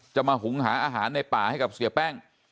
มาหุงหาอาหารในป่าให้กับเสียแป้ง